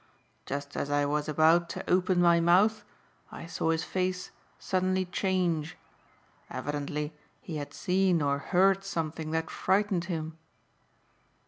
Just as I was about to open my mouth I saw his face suddenly change. Evidently he had seen or heard something that frightened him."